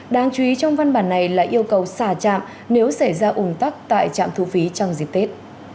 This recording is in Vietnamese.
đáng chú ý trong văn bản này là yêu cầu xả trạm nếu xảy ra ủng tắc tại trạm thu phí trong dịp tết